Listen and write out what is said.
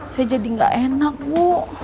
saya jadi gak enak bu